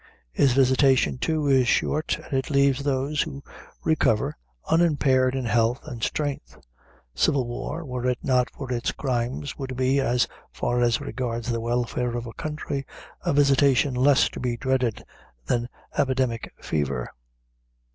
Its visitation, too, is short, and it leaves those who recover unimpaired in health and strength. Civil war, were it not for its crimes, would be, as far as regards the welfare of a country, a visitation less to be dreaded than epidemic fever."